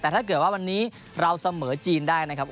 แต่ถ้าเกิดว่าวันนี้เราเสมอจีนได้นะครับ